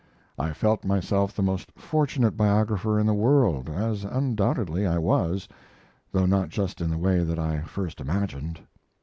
I felt myself the most fortunate biographer in the world, as undoubtedly I was, though not just in the way that I first imagined.